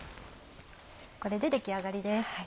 これで出来上がりです。